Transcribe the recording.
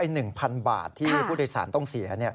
๑๐๐๐บาทที่ผู้โดยสารต้องเสีย